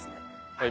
はい。